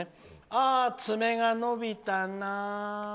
「ああ、爪が伸びたな。